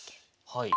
はい。